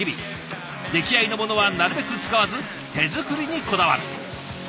出来合いのものはなるべく使わず手作りにこだわる。